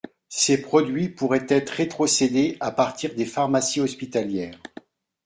Ces produits pourraient être rétrocédés à partir des pharmacies hospitalières.